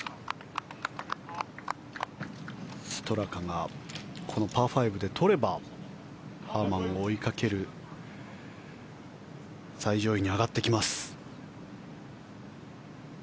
ストラカがこのパー５で取ればハーマンを追いかける最上位に上がってきます。